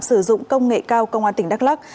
sử dụng công nghệ cao công an tỉnh đắk lắc